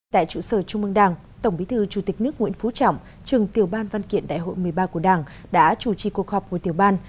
tại trụ sở trung mương đảng tổng bí thư chủ tịch nước nguyễn phú trọng trường tiểu ban văn kiện đại hội một mươi ba của đảng đã chủ trì cuộc họp của tiểu ban